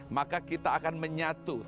maka kita akan menyatu